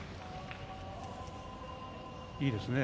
いいですね。